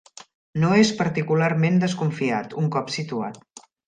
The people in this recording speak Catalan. No és particularment desconfiat, un cop situat.